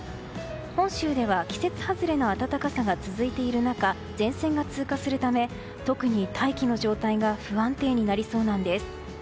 本州では季節外れの暖かさが続いている中前線が通過するため特に大気の状態が不安定になりそうなんです。